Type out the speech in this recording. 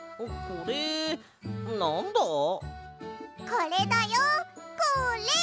これだよこれ！